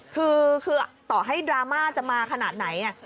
คือต่อให้ดราม่าจะมาขนาดไหน